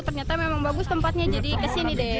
ternyata memang bagus tempatnya jadi ke sini deh